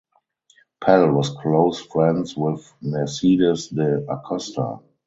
Pell was close friends with Mercedes de Acosta.